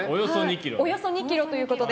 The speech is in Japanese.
およそ２ｋｇということで。